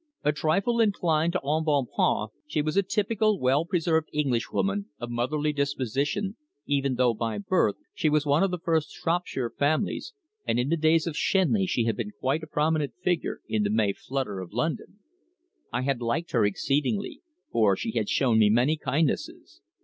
A trifle inclined to embonpoint, she was a typical, well preserved Englishwoman of motherly disposition, even though by birth she was of one of the first Shropshire families, and in the days of Shenley she had been quite a prominent figure in the May flutter of London. I had liked her exceedingly, for she had shown me many kindnesses.